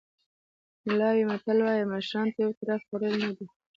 ملاوي متل وایي مشرانو ته یو طرفه خوړل نه دي.